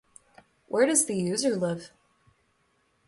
Where does the user live?